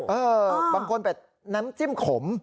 เออบางคนเป็ดน้ำจิ้มขม